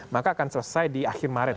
maka akan selesai di akhir maret